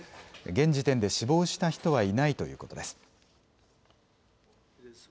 現時点で死亡した人はいないということです。